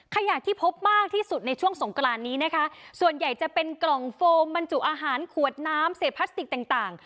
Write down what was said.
ขยะที่พบมากที่สุดในช่วงสงกรานนี้นะคะส่วนใหญ่จะเป็นกล่องโฟมบรรจุอาหารขวดน้ำเศษพลาสติกต่างต่าง